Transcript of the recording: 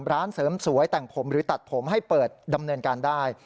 ร้านเสริมสวยแต่งผมหรือตัดผมให้เปิดดำเนินการได้